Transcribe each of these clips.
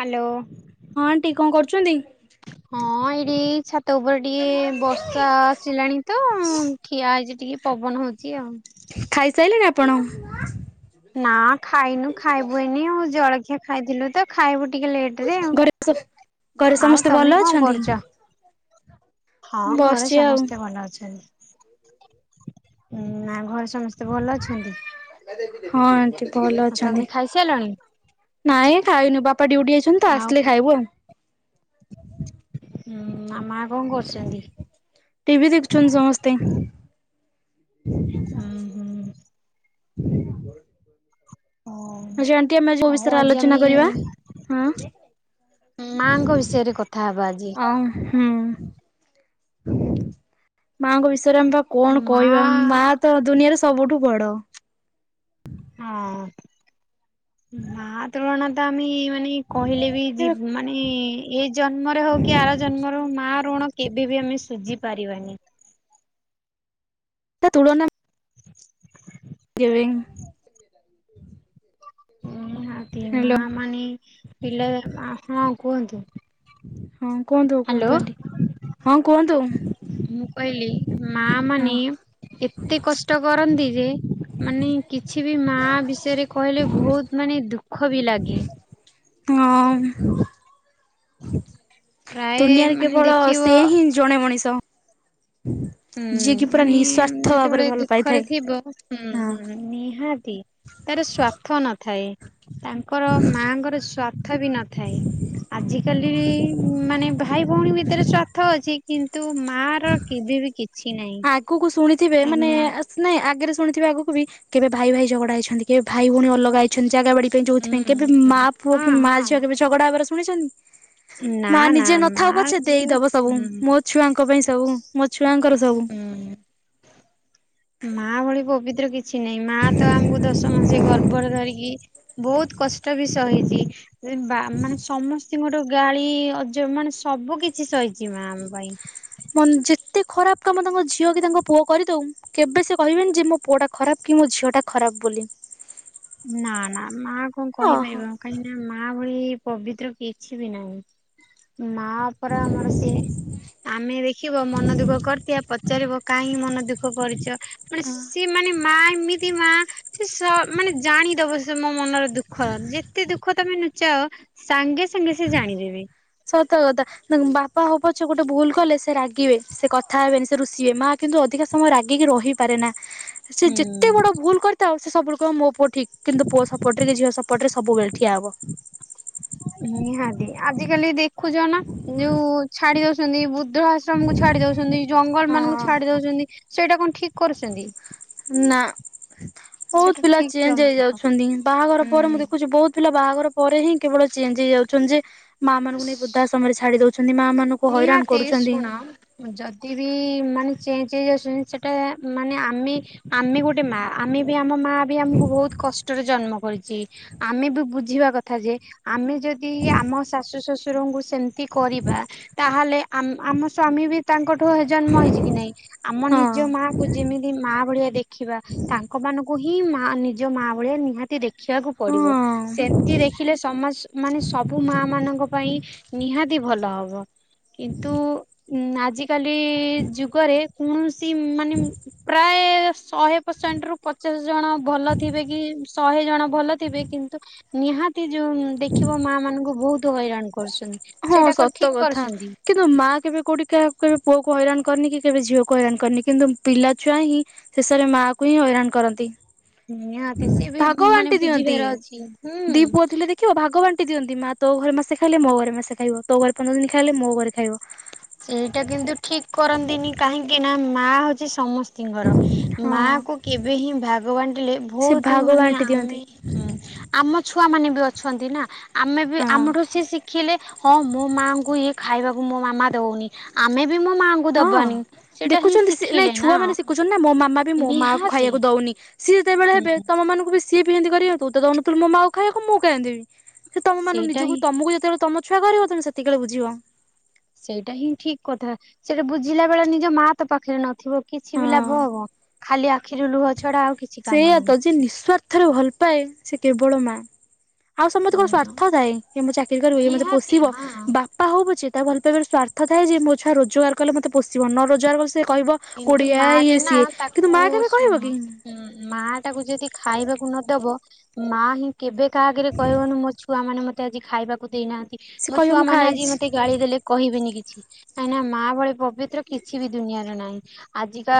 Hello. ହଁ aunty କଣ କରୁଛନ୍ତି? ହଁ ଏଇଠି ଛାତ ଉପରେ ଟିକେ ବର୍ଷା ଆସିଲାଣି ତ ମୁଁ ଠିଆ ହେଇଛି ଟିକେ ପବନ ହଉଛି ଆଉ। ଖାଇସାଇଲେଣି ଆପଣ? ନା ଖାଇନୁ ଖାଇବୁ ଏଇନେ ଆଉ ଜଳଖିଆ ଖାଇଥିଲୁ ତ ଖାଇବୁ ଟିକେ ଲେଟ ରେ ଆଉ। ଘରେ ସ ଘରେ ଆଉ ସମସ୍ତେ ଭଲ ତମେ କଣ ଅଛନ୍ତି? କରୁଛ? ହଁ ଘରେ ବସିଛି ଆଉ। ସମସ୍ତେ ଭଲ ଅଛନ୍ତି। ନା ଘରେ ସମସ୍ତେ ଭଲ ଅଛନ୍ତି? [inaudible] ହଁ ଆଣ୍ଟି। ଭଲ ଆଉ ଅଛନ୍ତି। ତମେ ଖାଇସାରିଲଣି? ନାଇଁ ଖାଇନୁ ବାପା ଡିଉଟି ଯାଇଛନ୍ତି ତ ଆଉ ଆସିଲେ ଖାଇବୁ ଆଉ। [inaudible] ହୁଁ ମା ମା କଣ କରୁଛନ୍ତି? ଟିଭିି ଦେଖୁଛନ୍ତି ସମସ୍ତେ। ହୁଁ ହୁଁ। ହଉ। ଆଜି ଆଣ୍ଟି ଆମେ କୋଉ ହଉ ବିଷୟରେ ଆଜି ଆମେ ଆଲୋଚନା କରିବା ହଁ ମାଙ୍କ ବିଷୟରେ କଥା ହବା ଆଜି। ଅ ହୁଁ। [inaudible] ମାଆଙ୍କ ବିଷୟରେ ଆମେ ବା କଣ ମା କହିବା। ମା ତ ଦୁନିଆରେ ସବୁଠୁ ବଡ। ହଁ। ମା ତ ତ ଆମେ ମାନେ କହିଲେ ବି ଯି ମାନେ ଏ ଜନ୍ମରେ ହଉ କି ଆର ଜନ୍ମରେ ହଉ ମା ଋଣ କେବେ ବି ଆମେ ସୁଝି ପାରିବାନି। ତା ତୁଳନା [unintelligible] ଗିଭିଂ ନିହାତି ହ୍ୟାଲୋ ମା ମାନେ ପିଲା ଆ ହଁ କୁହନ୍ତୁ, ହଁ କୁହନ୍ତୁ, ହ୍ୟାଲୋ କୁହନ୍ତୁ, ଆଣ୍ଟି। ହଁ କୁହନ୍ତୁ, ମୁଁ କହିଲି ମା ମାନେ ହଁ ଏତେ କଷ୍ଟ କରନ୍ତି ଯେ ମାନେ କିଛି ବି ମା ବିଷୟରେ କହିଲେ ବହୁତ ମାନେ ଦୁଃଖ ବି ଲାଗେ ହ ମ ପ୍ରାୟ ଦୁନିଆରେ ମାନେ କେବଳ ସେ ଦେଖିବ ହିଁ ଜଣେ ମଣିଷ ହୁଁ ଯିଏ କି ପୁରା ମାନେ ନିଃସ୍ୱାର୍ଥ ଭାବରେ ଯେତେବେଳେ ଭଲ ପାଇଥାଏ। ଦୁଃଖରେ ଥିବ ହ ହଁ ନିହାତି ତାର ସ୍ଵାର୍ଥ ନଥାଏ। ତାଙ୍କର ମାଙ୍କ ର ସ୍ୱାର୍ଥ ବି ନଥାଏ। ଆଜିକାଲି ମାନେ ଭାଇ, ଭଉଣୀ ଭିତରେ ସ୍ୱାର୍ଥ ଅଛି କିନ୍ତୁ କିନ୍ତୁ ମା ର କେବେ ବି କିଛି ନାହିଁ। କୁ କୁ ଶୁଣିଥିବେ ତା ମାନେ ମା ଆ ସ୍ ନାଇଁ ଆଗରେ ଶୁଣିଥିବେ ଆଗକୁ ବି କେବେ ଭାଇ, ଭାଇ ଝଗଡା ହେଇଛନ୍ତି। କେବେ ଭାଇ, ଭଉଣୀ ଅଲଗା ହେଇଛନ୍ତି। ଜାଗା ବାଡି ହୁଁ ଯୋଉଥିପାଇଁ କେବେ ହୁଁ। ମା ପୁଅ ହଁ କି ମା ହଁ ଝିଅ କେବେ ଝଗଡା ହବାର ଶୁଣିଛନ୍ତି? ନା ମା ନା ନିଜେ ମା ନଥାଉ ପଛେ, ଝିଅ ଦେଇଦବ ସବୁ ହୁଁ। ମୋ ଛୁଆଙ୍କ ପାଇଁ ସବୁ, ମୋ ଛୁଆଙ୍କର ସବୁ, ହୁଁ ମା ଭଳି ପବିତ୍ର କିଛି ନାହିଁ। ମା ତ ଆମକୁ ଦଶ ମାସେ ଗର୍ଭରେ ଧରିକି ବହୁତ କଷ୍ଟ ବି ସହିଛି। ଏ ବା ମାନେ ସମସ୍ତିଙ୍କ ଠୁ ଗାଳି ଅଜ ମାନେ ସବୁ କିଛି ସହିଛି ମା ଆମ ପାଇଁ, ମନ ଯେତେ ଖରାପ କାମ ତାଙ୍କ ଝିଅ କି ତାଙ୍କ ପୁଅ କରିଦଉ କେବେ ସେ କହିବେନି ଯେ ମୋ ପୁଅ ଟା ଖରାପ କି ମୋ ଝିଅ ଟା ଖରାପ ବୋଲି ନା ନା ମା କଣ କହିପାରିବ, ଓହୋ କାହିଁକି ନା ମା ଭଳି ପବିତ୍ର କିଛି ବି ନାହିଁ। ମା ପରା ଆମର ସିଏ ଆମେ ଦେଖିବ ମନ ଦୁଃଖ କରିଥିବା ପଚାରିବ କାହିଁ ମନ ଦୁଃଖ କରିଛ, ମାନେ ସି ମାନେ ମା ଏମିତି ମା ସେ ସ ମାନେ ଜାଣିଦବ ସେ ମୋ ମନର ଦୁଃଖ ଯେତେ ଦୁଃଖ ତମେ ନୁଚାଅ ସାଙ୍ଗେ ସାଙ୍ଗେ ସେ ଜାଣିବେ ବି ସତ ଗତ ବାପା ହବ ପଛ ଗୋଟେ ଭୁଲ କଲେ ସେ ରାଗିବେ ସେ କଥା ହେବେନି ସେ ରୁଷିବେ ମା କିନ୍ତୁ ଅଧିକା ସମୟ ରାଗିକି ରହି ପାରେନା ସେ ଯେତେ ହୁଁ। ବଡ ଭୁଲ କରିଥାଉ ସେ ସବୁବେଳେ କହିବ ମୋ ପୁଅ ଠିକ କିନ୍ତୁ ପୁଅ ସପଟରେ କି ଝି ସପଟ ରେ ସବୁବେଳେଠିଆ ହବ ନିହାତି ଆଜିକାଲି ଦେଖୁଛ ନା ଯୋଉ ଛାଡି ଦଉ ମାନେ ବୁଦ୍ଧ ଆଶ୍ରମ କୁ ଛାଡି ଦଉଛନ୍ତି ଜଙ୍ଗଲ ମାନଙ୍କୁ ହଁ ଛାଡି ଦଉଛନ୍ତି ସେଇଟା କଣ ଠିକ କରୁଛନ୍ତି ନା ସେଇଟା ବହୁତ ପିଲା ଠିକ ଚେଞ୍ଜ ଜମା ହୁଁ। ହେଇଯାଉଛନ୍ତି ବାହାଘର ପରେ ମୁଁ ଦେଖୁଛି ବହୁତ ପିଲା ବାହାଘର ପରେ ହିଁ କେବଳ ଚେଞ୍ଜ ହେଇଯାଉଛନ୍ତି ଯେ ମା ମାନଙ୍କୁ ନେଇ ସ୍ ବୃଧା ସମୟରେ ଛାଡି ଦଉଛନ୍ତି ମା ମାନଙ୍କୁ ହଇରାଣ ନିହାତି କରୁଛନ୍ତି। ଶୁଣ ହମ ଯଦି ବି ମାନେ ଚେଞ୍ଜ ହେଇଯାଉଛନ୍ତି ସେଟା ମାନେ ଆମେ ଆମେ ଗୋଟେ ମା ଆମେ ବି ଆମ ମା ବି ଆମକୁ ବହୁତ କଷ୍ଟରେ ଜନ୍ମ କରିଛି ଆମେ ବି ବୁଝିବା କଥା ଯେ ଆମେ ଯଦି ଆମ ଶାଶୁ ଶଶୁ ଶୁରଙ୍କୁ ସେମତି କରିବା ତାହେଲେ ଆମ ଆମ ସ୍ଵାମୀ ବି ତାଙ୍କଠୁ ଜନ୍ମ ହେଇଛି କି ନହିଁ ଆମ ହଁ ନିଜ ମାଆ କୁ ଯେମିତି ମା ଭଳିଆ ଦେଖ ଖିବା ତାଙ୍କ ମାନଙ୍କୁ ହିଁ ମା ନିଜ ମା ଭଳିଆ ନିହାତି ଦେଖ ଦେଖିବାକୁ ପଡିବ ହଁ। ସେମିତି ଦେଖିଲେ ସମାଜ ମାନେ ସବୁ ମା ମାନଙ୍କ ପାଇ ନିହାତି ଭଲ ହବ କିନ୍ତୁ ଉ ଆଜି କାଲି ଯୁଗରେ କୌଣସି ମାନେ ପ୍ରାୟ ଶହେ ପରସେଣ୍ଟ ରୁ ପଚାଶ ଜଣ ଭଲ ଥିବେ କି ଶହେ ଜଣ ଭଲ ଥିବେ କିନ୍ତୁ ନିହାତି ଯୋଉ ଦେଖିବ ମା ମାନଙ୍କୁ ବହୁତ ହଇରାଣ କରୁଛନ୍ତି ହଁ ସେଇଟା କଣ ସତ ଠିକ କଥା କରୁଛନ୍ତି କିନ୍ତୁ ମା କେବେ କୋଉଠିକ କେବେ ପୁଅକୁ ହଇରାଣ କରିନି କି କେବେ ଝିଅକୁ ହଇରାଣ କରିନି କିନ୍ତୁ ପିଲାଛୁଆ ହିଁ ଶେଷରେ ମା କୁ ହିଁ ହଇରାଣ କରନ୍ତି ନିହାତି ସିଏ ଭାଗ ବି ମାନେ ବାଣ୍ଟି ବୁଝିବାର ଅଛି ହୁଁ କ ଭାଗ ବାଣ୍ଟି ଦିଅନ୍ତି ମା ତୋ ଘରେ ମାସେ ଖାଇଲେ ମୋ ଘରେ ମାସେ ଖାଇବ ତୋ ଘରେ ପନ୍ଦର ଦିନ ଖାଇଲେ ମୋ ଘରେ ଖାଇବ ସେଇଟା କିନ୍ତୁ ଠିକ କରନ୍ତିନି କାହିଁକି ନା ମା ହଉଛି ସମସ୍ ସ୍ଥିଙ୍କର ହଁ ମା କ କେବେ ହିଁ ଭାଗବାଣ୍ଟିଲେ ସେ ବହୁତ ଭାଗ ମାନେ ବାଣ୍ଟି ଦିଅନ୍ତି ଆମେ ହୁଁ ଆମ ଛୁଆ ମାନେ ବି ଅଛନ୍ତି ନା ଆମେ ବି ହଁ। ଆମଠୁ ସିଏ ଶିଖିଲେ ହଁ ମୋ ମାଙ୍କୁ ଇଏ ଖାଇବାକୁ ମୋ ମାମା ଦେଉନି ଆମେ ବି ମୋ ମାଆଙ୍କୁ ହଁ ଦବାନି ସେଇଟା ହିଁ ସେ ନାଇଁ ଶିଖିଲେ ନା ଛୁଆମାନେ ଦେଖୁଛନ୍ତି ନା ମୋ ମାମା ବି ମୋ ମା କୁ ନିହାତି। ଖାଇବାକୁ ଦଉନି ସିଏ ଯେତେବେଳେ ହୁଁ ହେବେ ହୁଁ। ତମ ମାନଙ୍କୁ ବି ସିଏ ପିହନ୍ତି କରିବ ତଉୁଥିଲୁୋ ମାକୁ ଖାଇବାକୁ ମୁଁ ଖାଇିବି ସେ ତମ ମାନ ସେଇଟା ହିଁ ନିଜକୁ ତମକୁ ଯେତେବେଳେ ତମ ଛୁଆ କରିବା ତମେ ସେତିକିବେଳେ ବୁଝିବ ସେଇଟା ହିଁ ଠିକ କଥା ସେଟା ବୁଝିଲା ବେଳେ ନିଜ ମା ତ ପାଖରେ ନଥିବ କିଛି ହଁ ବି ଲାଭ ହବ ଖାଲି ଆଖିରୁ ଲୁହ ଛଡା ଆଉ କିଛି କାମ ସେୟା ତ ଯେ ନିଃସ୍ଵାର୍ଥରେ ଭଲ ପାଏ ସେ କେବଳ ମା ଆଉ ସମସ୍ତେ କଣ ନାହିଁ। ସଵାର୍ଥ ଥାଏ ମୁଁ ଚାକିର କରିବି ମତେ ନିହାତି ପୋଷିବ ହଁ ବା ପା ହଉ ପଛେ ତା ଭଲ ପାଇବ ସ୍ୱାର୍ଥ ଥାଏ ଯେ ମୋ ଛୁଆ ରୋଜଗାର କଲେ ମତେ ପୋଷିବ ନ ରୋଜଗାର କଲେ ସେ କହିବ କିନ୍ତୁ କୋଡିଆ ମା ଇଏ ଟେ ନା ସିଏ କିନ୍ତୁ ତାକୁ ମା କେବେ ଶୁଣ କହିବ କି? ମା ତାାକୁ ଯଦି ଖାଇବାକୁ ନଦବ ମା ହିଁ କେବେ କାହା ଆଗରେ କହିବନି ମୋ ଛୁଆ ମାନେ ମତେ ତେ ଆଜି ଖାଇବାକୁ ଦେଇନାହାନ୍ତି ସେ ମୋ କହିବ ଛୁଆ ମୁଁ ମାନେ ଆଜି ଖାଇଛି ମତେ ଗାଳି ଦେଲେ କହିବେିନି କିଛି କାହିଁକି ନା ମା ଭଳି ପବିତ୍ର କିଛି ବି ଦୁନିଆରେ ନାହିଁ ଆଜିକା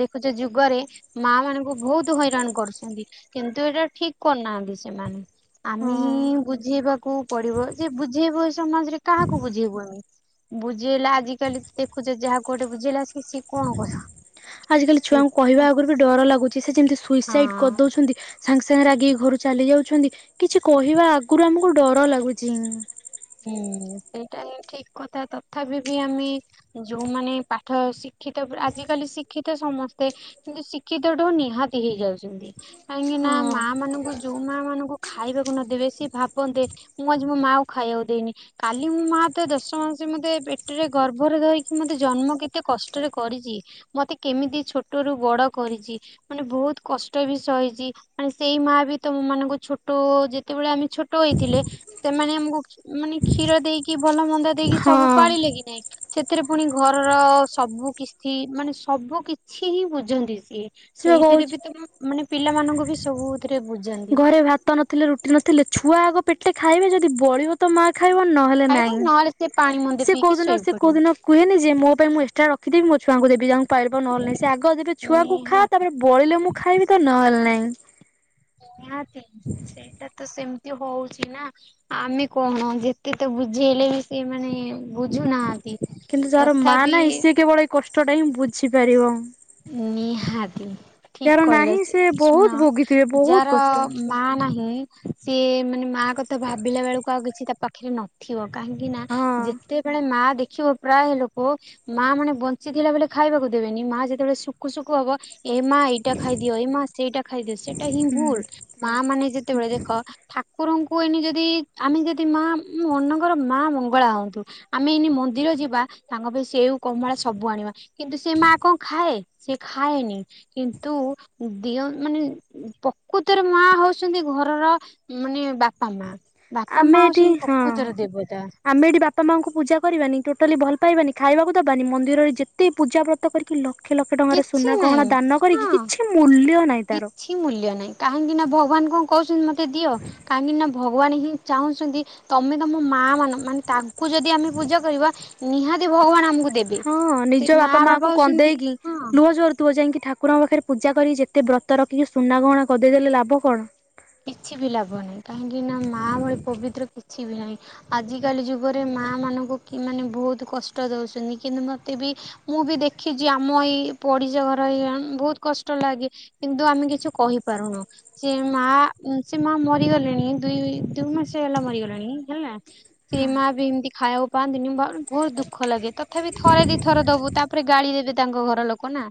ଦେଖୁଛ ଯୁଗରେ ମା ମାନଙ୍କୁ ବହୁତ ହଇରାଣ କରୁଛନ୍ତି କିନ୍ତୁ ଏଇଟା ଠିକ୍ କରନାହାନ୍ତିି ସେମାନେ ଆମେ ହଁ। ହିଁ ବୁଝେଇବାକୁ ପଡିବ ଯେ ବୁଝେଇବୁ ଏ ସମାଜରେ କାହାକୁ ବୁଝେଇବୁ ଆମେ ବୁଝେଇଲା ଆଜିକାଲି ଦେଖୁଛ ଯାହା କୋଉଟେ ବୁଝେଇଲା ସେଏ ସିଏ କଣ କହିବ ଆଜ କାଲି ଛୁଆଙ୍କୁ କହିବା ସେଇଥିପାଇଁ। ଆଗରୁ ବି ଡର ଲାଗୁଛି ସେ ଯେମିତି ସୁଇସାଇଡ ହଁ କରିଦଉଛନ୍ତି ସାଙ୍ଗେ ସାଙ୍ଗେ ରାଗିକି ଘରୁ ଚାଲି ଯାଉଛନ୍ତି କିଛି କହିବା ଆଗରୁ ଆମକୁ ଡର ଲାଗୁଛି ହ ହୁଁ [unintelligible] ସେଇଟା ହିଁ ଠିକ କଥା ତଥାପି ବି ଆମେ ଯୋଉମାନେ ପାଠ ଶିକ୍ଷିତ ଆଜିକାଲି ଶିକ୍ଷିତ ସମସ୍ତେ କିନ୍ତ ଶିକ୍ଷିତ ଟୁ ନିହାତି ହେଇଯାଉଛନ୍ତି କାହିଁକି ନା ହଁ ମା ମାନଙ୍କୁ ଯୋଉ ମା ମାନଙ୍କୁ ଖାଇବାକୁ ନ ଦେବେ ସିଏ ଭାବନ୍ତେ ମୁଁ ଆଜି ମୋ ମାଆ କୁ ଖାଇବାକୁ ଦେଇନି କାଲି ମୁଁ ମା ତ ଦଶ ମାସ ମୋତେ ପେଟରେ ଗର୍ଭରେ ଧରିକି ମୋତେ ଜନ୍ମ କେତେ କଷ୍ଟରେ କରିଛି ମତେ କେମିତି ଛୋଟ ରୁ ବଡ କରିଛି ମାନେ ବହୁତ୍ କଷ୍ଟ ବି ସହିଛି ଆ ସେଇ ମା ବି ତମ ମାନଙ୍କୁ ଛୋଟ ଯେତେବେଳେ ଆମେ ଛୋଟ ହେଇଥିଲେ ସେମାନେ ଆମକୁ ମାନେ କ୍ଷୀର ଦେଇକି ଭଲ ମନ୍ଦା ଦେଇକି ସବୁ ହଁ ପାଳିଲେ କି ନାଇଁ ସେଥିରେ ପୁଣି ଘରର ସବୁ କିସ୍ତି ମାନେ ସବୁ କିଛି ହିଁ ବୁଝନ୍ତି ସିଏ ସେ ବା ସେଇଥିରେ କହୁଛି ବି ତ ମୁ ମାନେ ପିଲାମାନଙ୍କୁ ବି ସବୁଥିରେ ବୁ ଘରେ ଭାତ ନଥିଲେ ରୁଟି ନଥିଲେ ଛୁଆ ଆଗ ପେଟେ ଖାଇବେ ଯଦି ବଳିିବ ତ ମା ଖାଇବ ନହେଲେ ଖାଇବ ନାଇଁ ନହେଲେ ସେ ପାଣି ମୁନ୍ଦେ ସେ ପିଇକି କୋଉଦିନ ଶୋଇ ସେ ପଡିବ। କୋଉଦିନ କୁହେନି ଯେ ମୋ ପାଇଁ ମୁଁ ଏକ୍ଟ୍ରା ରଖିଦବି ମୋ ଛୁଆଙ୍କୁ ଦେବି ତାଙ୍କୁ ପାଇରିବ ନହେଲେ ନାହିଁ ସେ ଆଗ ଦେବେ ଛୁଆକୁ ଖା ନିହାତି ତାପରେ ବଳିଲେ ମୁଁ ଖାଇବି ତ ନହେଲେ ନାହିଁ ନିହାତି ସେଇଟା ତ ସେମତି ହଉଛି ନା ଆମେ କଣ ଯେତେ ତ ବୁଝେଇଲେ ବି ସେ ମାନେ ବୁଝୁନାହାନ୍ତି। କିନ୍ତୁ ଯାହାର ମା ତଥାପି ନାହିଁ ସିଏ କେବଳ ଏଇ କଷ୍ଟଟା ହିଁ ବୁଝିପାରିବ। ନିହାତି ଠିକ ଯାହାର କହିଲ ନାହିଁ ସେ ବହୁତ ଶୁଣ ଭୋଗିଥିବେ ବହୁତ ଯାର କଷ୍ଟ ମା ନାହିଁ ସିଏ ମାନେ ମା କଥା ଭାବିଲା ବେଳକୁ ଆଉ କିଛି ତା ପାଖରେ ନ ଥିବ କାହିଁକି ନା ହଁ ଯେତେବେଳେ ମା ଦେଖିବ ପ୍ରାୟ ଲୋ କ ମା ମାନେ ବଞ୍ଚିଥିଲା ବଳେ ଖାଇବାକୁ ଦେବେନି ମା ଯେତେବେଳେ ଶୁକୁ ଶୁକୁ ହବ ଏ ମା ଏଇଟା ଖାଇଦିଅ ଏ ମା ସେଇଟା ଖାଇଦିଅ ସେଇଟା ହିଁ ଭୁଲ ମା ମାନେ ଯେତେବେଳେ ଦେଖ ଠାକୁରଙ୍କୁ ଏଇନେ ଯଦି ଆମେ ଯଦି ମା ମନକର ମା ମଙ୍ଗଳା ହଅନ୍ତୁ। ଆମେ ଏଇନେ ମନ୍ଦିର ଯିବା ତାଙ୍କ ପାଇଁ ସେଉ, କମଳା ସବୁ ଆଣିବା କିନ୍ତୁ ସେ ମା କଣ ଖାଏ ସେ ଖାଏନି କିନ୍ତୁ ଦିଅଁ ମାନେ ପକୁତରେ ମା ହଉଚନ୍ତି ଘରର ମାନେ ବାପା ମା ବାପା ଆମେ ମା ଏଠି ହେଉଛନ୍ତି ହଁ ପକୁତରେ ଦେବତା। ଆମେ ଏଠି ବାପା ମାଆଙ୍କୁ ପୂଜା କରିବାନି ଟୋଟାଲି ଭଲ ପାଇବାନି, ଖାଇବାକୁ ଦବାନି ମନ୍ଦିରରେ ଯେତେ ପୂଜା ବ୍ର କରିକି ଲକ୍ଷେ ଲକ୍ଷେ ଟଙ୍କାର କିଛି ସୁନା ନାହିଁ ଗହଣା ଦାନ କରିକି ହଁ କିଛି ମୂଲ୍ୟ ନାହିଁ ତାର। କିଛି ମୂଲ୍ୟ ନାଇଁ କାହିଁକି ନା ଭଗବାନ କଣ କହୁଛନ୍ତି ମତେ ଦିଅ କାହିଁକି ନା ଭ ଭଗବାନ ହିଁ ଚାହୁଁଛନ୍ତି ତମେ ତମ ମା ମାନ ମାନେ ତାଙ୍କୁ ଯଦି ଆମେ ପୂଜା କରିବା ନିହାତି ଭଗବାନ ଆମକୁ ଦେବେ ହଁ ସେ ନିଜ ମା ବାପା ମାଙ୍କୁୁ ହଉଛନ୍ତି କନ୍ଦେଇକି ହଁ ଲୁହ ଝରୁଥିବ ଯାଇକି ଠାକୁରଙ୍କ ପାଖରେ ପୂଜା କରିକି ଯେତେ ବ୍ରତ ରଖିକି ସୁନା ଗହଣା ଗଦେଇଦେଲେ ଲାଭ କଣ? କିଛି ବି ଲାଭ ନାହିଁ କାହିଁକି ନା ମା ଭଳି ପବିତ୍ର କିଛି ବି ନାହିଁ। ଆଜିକାଲି ଯୁଗରେ ମା ମାନଙ୍କୁ କି ମାନେ ବହୁତ କଷ୍ଟ ଦଉଛନ୍ତି କିନ୍ତୁ ମୋତେ ବି ମୁଁ ବି ଦେଖିଚି ଆମ ଏଇ ପଡିଶା ଘର ହେଇକା ବହୁତ କଷ୍ଟ ଲାଗେ। କିନ୍ତୁ ଆମେ କିଛି କହିପାରୁନୁ ଯେ ମା ଉଁ ସେ ମା ମରିଗଲେଣି ଦୁଇ ଦୁଇ ମାସ ହେଲା ମରିଗଲେଣି ହେଲା ସେ ମା ବି ଏମିତି ଖାଇବାକୁ ପାଆନ୍ତିନି ମ ବହୁତ ଦୁଃଖ ଲାଗେ ତଥାପି ଥରେ ଦି ଥର ଦବୁ ତାପରେ ଗାଳି ଦେବେ ତାଙ୍କ ଘର ଲୋକ ନା।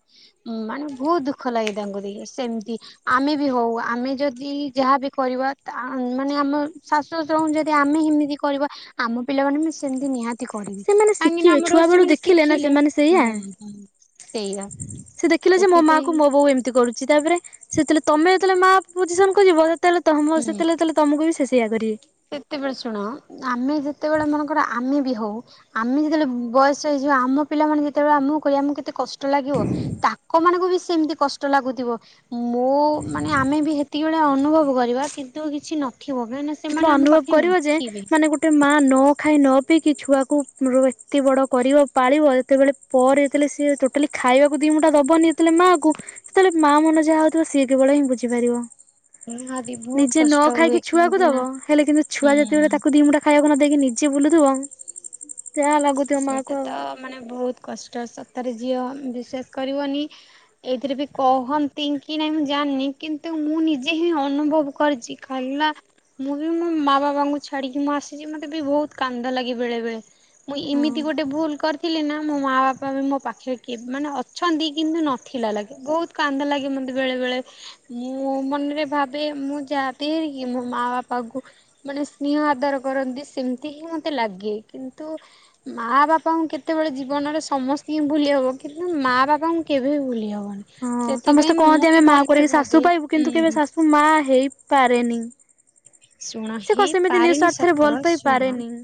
ମାନେ ବହୁତ ଦୁଃଖ ଲାଗେ ତାଙ୍କୁ ଦେଖି ସେମିତି ଆମେ ବି ହଉ ଆମେ ଯଦି ଯାହା ବିି କରିବା ଆ ମାନେ ଆମ ଶାଶୁ ଶଶୁରଙ୍କୁ ଯଦି ଆମେ ହେମିତି କରିବା ଆମ ପିଲାମାନେ ବି ସେମିତି ନିହାତ ଚି କରିବେ ସେମାନେ କାହିଁକିନା ଶିଖିବେ ଆମଠୁ ଛୁଆ ବେଳୁ ସେମାନେ ଦେଖିଲେ ନା ଶିଖିଲେ। ସେମାନେ ସେଇଆ ସେଇଆ ସେ ଦେଖିଲ ଯେ ମୋ ମା ସେଥିପାଇଁ କୁ ମୋ ବୋଉ ଏମତି ଚି କରୁଛି ତାପରେ ସେତେବେଳେ ତମେ ଯେତେବେଳେ ମା ପୋଜିସନ କୁ ଯିବ ସେତେବେଳେ ତମ ହୁଁ। ସେତେବେଳେ ଯେତେବେଳେ ତମକୁ ବି ସେ ସେଇଆ କରିବେ। ସେତେବେଳେ ଶୁଣ ଆମେ ଯେତେବେଳେ ମନେକର ଆମେ ବି ହଉ ଆମେ ଯେତେବେଳେ ବୟସ ହେଇଯିବ ଆମ ପିଲାମାନେେ ଯେତେବେଳେ ଆମକୁ କହିବେ ଆମକୁ କେତେ କଷ୍ଟ ଷ୍ଟ ଲାଗିବ ତାଙ୍କ ମାନଙ୍କୁ ବି ସେମିତି କଷ୍ଟ ଲାଗୁଥିବ ମୋ ମାନେ ଆମେ ବି ହେତ ହେତିକି ବେଳେ ଅନୁଭବ କରିବା କିନ୍ତୁ କିଛି ନଥିବ କାହିଁକି ନା ସେତେବେଳେ ଅନୁଭବ କରିବ ଯେ ମାନେ ଗୋ ଗୋଟେ ମା ନ ଖାଇ ନ ପିଇକି ଛୁଆକୁ [unintelligible] ଏତେ ବଡ କରିବ ପାଳିବ ଯେତେବେଳେ ପରେ ଯେତେେଳେ ସିଏ ଟୋଟାଲି ଖାଇବାକୁ ଦି ମୁୁଠା ଦବନି ଯେତେବେଳେ ମାଆ କୁ ସେତେବେଳେ ମା ମନ ଯାହା ହଉଥିବ ସିଏ କେବଳ ହିଁ ବୁଝିପାରିବ। ନିହାତି ବହୁତ କଷ୍ଟ ହୁଏ ହୁଁ। ତାକୁ ନା ଦେବ ହେଲେ କିନ୍ତୁ ଛୁଆ ଯେତେବେଳେ ତାକୁ ଦିମୁଠା ଖାଇବାକୁ ନ ଦେଇକି ନିଜେ ବୁଲୁଥିବ ଯାହା ଲାଗୁଥିବ ମାଆକୁ ସେଇଟା ଆଉ ତ ମାନେ ବହୁତ କଷ୍ଟ ସତରେ ଝିଅ ବିଶ୍ୱାସ କରିବନି ଏଇଥିରେ ବି କହନ୍ତି ଙ୍କି ନାଇଁ ମୁଁ ଜାଣିନି କିନ୍ତୁ ମୁଁ ନିଜେ ହିଁ ଅନୁଭବ କରିଚି। କାହିଁକି ନା ମୁଁ ବି ମୋ ମାଆ ବାବାଙ୍କୁ ଛାଡ଼ିକି ମୁଁ ଆସିଛି ମୋତେ ବି ବହୁତ୍ କାନ୍ଦ ଲାଗେ ବେଳେ ବେଳେ। ମୁଁ ହଁ। ଏମିତି ଗୋଟେ ଭୁଲ କର୍ ଥିଲି ନା ମୋ ମାଆ ବାପା ବି ମୋ ପାଖେ କେ ମାନେ ଅଛନ୍ତି କିନ୍ତୁ ନଥିଲା ଲାଗି ବହୁତ୍ କାନ୍ଦ ଲାଗେ ମତେ ବେଳେବେେଳେ। ମୁଁ ମନରେ ଭାବେ ମୁଁ ଯାହା ଦିଏ ଇଏ ମୋ ମା ବାପା କୁ ମାନେ ସ୍ନିହ ଆଦର କରନ୍ତି ସେମିତି ହିଁ ମତେ ଲାଗେ କିନ୍ତୁ ମାଆ ବାପାଙ୍କୁ କେତେବେଳେ ଜୀବନରେ ସମସ୍ତିଙ୍କୁ ଭୁଲି ହେବ କିନ୍ତୁ ମା ବାପାଙ୍କୁ କେବେ ବି ଭୁଲି ହେବନି। ହଁ ସମସ୍ତେ କହନ୍ତି ଆମେ ମା ପରିକି ଶାଶୁ ପାଇବୁ କିନ୍ତୁ କେବେ ହୁଁ ଶାଶୁ ମା ହେଇ-ପାରେନି। ଶୁଣ ସେ କଁ ସେମିତି ନି ହେଇପାରେନି ସ୍ୱାର୍ଥରେ ସତ ଭଲ ପାଇ ଶୁଣ ପାରେନି।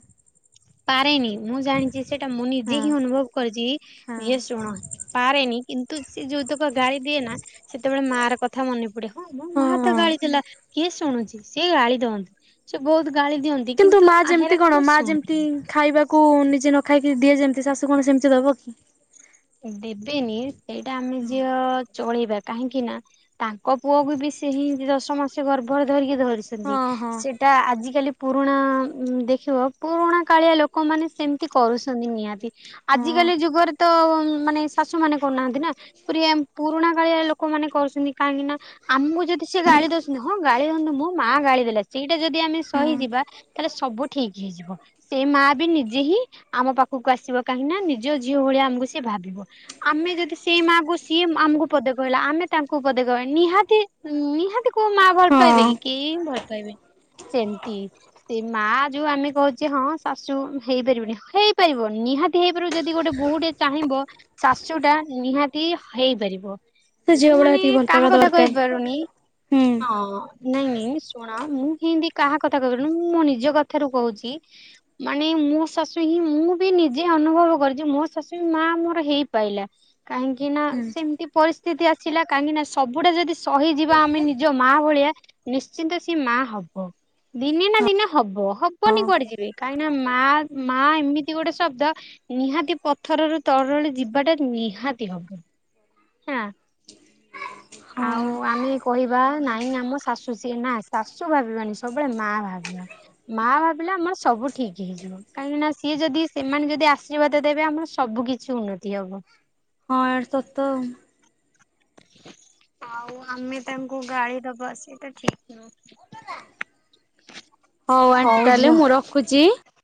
ପାରେନି ମୁଁ ଜାଣିଛି ସେଇଟା ମୁଁ ନିଜେ ହଁ ହିଁ ଅନୁଭବ କରିଛି ହଁ ଇଏ ଶୁଣ ପାରେନି କିନ୍ତୁ ସେ ଯୋଉତକ ଗାଳି ଦିଏ ନା ସେତେବେଳେ ମା ର କଥା ମନେ ପଡେ। ହଁ ମୋ ମା ତ ହଁ। ଗାଳି ଦେଲା କିଏ ଶୁଣୁଛି ସିଏ ଗାଳି ଦଅନ୍ତି ସେ ବହୁତ ଗାଳି ଦିଅନ୍ତି। କିନ୍ତୁ ମା ଯେମିତି ଆହେରା କଣ କିନ୍ତୁ ମା ଶୁଣେନି। ଯେମିତି ଖାଇବାକୁ ନିଜେ ନ ଖାଇକି ଦିଏ ଯେମିତି ଶାଶୁ କଣ ସେମିତି ଦବ କି? ଦେବେନି ଏଇଟା ଆମେ ଝିଅ ଚଳେଇବା କାହିଁକି ନା ତାଙ୍କ ପୁଅକୁ ବି ସେ ହିଁ ଦଶ ମାସ ଗର୍ଭରେ ଧରିକି ଧରିଛନ୍ତି ହଁ ହଁ ସେଟା ଆଜିିକାଲି ପୁରୁଣା ଦେଖିବ ପୁରୁଣା କାଳିଆ ଲୋକମାନେ ସେମିତି କରୁଛନ୍ତି ନିହାତି। ହଁ ଆଜିକାଲି ଯୁଗରେ ତ ମାନେ ଶାଶୁ ମାନେ କରୁନାହାନ୍ତି ନା। ପ୍ରିଏମ୍ ପୁରୁଣା କାଳିଆରେ ଲୋକମାନୋନେ କରୁଛନ୍ତି କାହିଁକି ନା ଆମକୁ ଯଦି ସେ ଗାଳି ଦଉଛନ୍ତି ହଁ ଗାଳି ହଅନ୍ତୁ ମୋ ମା ଗାଳି ଦେଲା ସେଇଟା ଯଦି ଆମେ ହଁ ସହିଯିବା ତାହେଲେ ସବୁ ଠିକି ହେଇଯିବ। ସେ ମାଆ ବି ନିଜେ ହିଁ ଆମ ପାଖକୁ ଆସିବ କାହିଁକି ନା ନିଜ ଝିଅ ଭଳିଆ ଆମକୁ ସେ ଭାବିବ ଆମେ ଯଦି ସେଇ ମାକୁ ସିଏ ଆମକୁ ପଦେ କହିଲା ଆମେ ତାଙ୍କୁ ପଦେ କହିବା ନିହାତିି ନିହାତି କୋଉ ମା ଭଲ ପାଇବେ ହଁ କି? କେହି ଭଲ ପାଇବେନି ସେମତି ସେ ମା ଯୋଉ ଆମେ କହୁଛେ ହଁ ଶାଶୁ ହେଇପାରିବନି ହେଇପାରିବ ନିହାତି ହେଇପାରିବ ଯଦି ଗୋଟେ ବହୁଟେ ଚାହିଁବ ଶାଶୁଟା ନିହା ତି ହେଇପାରିବ ସେ ମୁଁ ଝିଅ ଭଳିଆ ମାନେ ହେତିକି ଭଲ ପାଇବା କାହା କଥା ଦରକାର। କହିପାରୁନି ହୁଁ ହଁ। ନାଇଁ ନାଇଁ ଶୁଣ ମୁଁ ହିଁତୀ କାହା କଥା କହପାରିବିନି ମୁଁ ମୋ ନିଜ କଥାରୁ କହୁଛି ମାନେ ମୁଁ ଶାଶୁ ହିଁ ମୁଁ ବି ନିଜେ ଅନୁଭବ କରୁଛି ମୋ ଶାଶୁ ମା ମୋର ହେଇପାଇଲା କାହିଁକି ନା ହୁଁ ସେମିତି ପରିସ୍ଥିତି ଆସିଲା କାହିଁକି ନା ସବୁଟା ଯଦି ସହିଯିବା ଆମେ ନି ଜ ମା ଭଳିଆ ନିଶ୍ଚିନ୍ତ ସିଏ ମା ହବ ଦିନେ ନା ଦିନେ ହବ ହବ ହବନି ହଁ କୁଆଡେ ଯିବେ କାହିଁକି ନା ମା ମା ଏମିତି ଗୋଟେ ଶବ୍ଦ ନିହାତି ପ ଥର ରୁ ତରଳି ଯିବାଟା ନିହାତି ହବ ହାଁ। ହଁ ଆଉ ଆମେ କହିବା ନାଇଁ ଆମ ଶାଶୁ ସିଏ ନା ଶାଶୁ ଭାବିବାନି ସବୁବେଳେ ମା ଭାବିବା। ମା ଭାବିଲେ ଆମର ସବୁ ଠିକି ହେଇଯିବ। କାହିଁକି ନା ସିଏ ଯଦି ସେମାନେ ଯଦି ଆଶୀର୍ବାଦ ଦେବେ ଆମର ସବୁ କିଛି ଉନ୍ନତି ହେବ। ହଁ ଆଡ୍ ସତ ଆଉ। ଆଉ ଆମେ ତାଙ୍କୁ ଗାଳି ଦବା ସେଟା ଠିକ୍ ନୁହଁ। ହଉ ଆଣ୍ଟି ତାହେଲେ ମୁଁ ରଖୁଛି ‌।